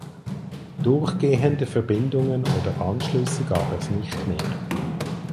Durchgehende Verbindungen oder Anschlüsse gab es nicht mehr.